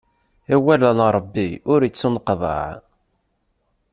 Awal n Ṛebbi ur ittuneqḍaɛ.